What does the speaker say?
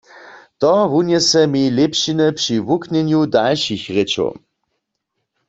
To wunjese mi lěpšiny při wuknjenju dalšich rěčow.